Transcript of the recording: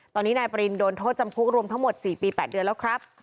ตอนนี้นายปรินโดนโทษจำคุกรวมทั้งหมด๔ปี๘เดือนแล้วครับ